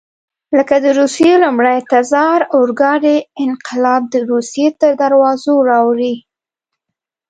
لکه د روسیې لومړي تزار اورګاډی انقلاب د روسیې تر دروازو راوړي.